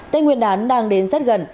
tên nguyên đán đang đến rất gần